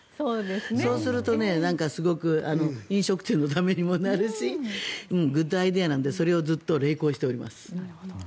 そうするとすごく飲食店のためにもなるしグッドアイデアなのでそれをずっと励行しています。